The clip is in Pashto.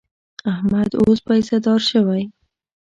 احمد اوس پیسهدار شوی.